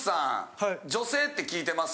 女性って聞いてます。